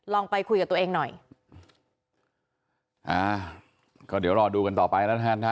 ลองไปคุยกับตัวเองหน่อย